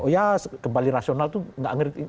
ya kembali rasional tuh nggak ngerti